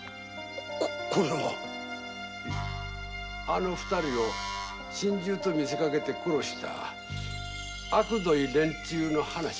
あの二人を心中に見せかけて殺したあくどい連中の話や。